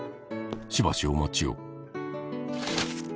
しばしお待ちを。